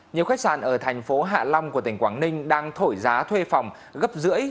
nhiều khách sạn ở thành phố hạ long của tỉnh quảng ninh đang thổi giá thuê phòng gấp rưỡi